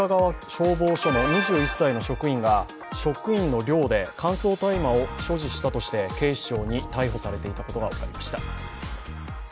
消防署の２１歳の職員が職員の寮で乾燥大麻を所持したとして警視庁に逮捕されていたことが分かりました。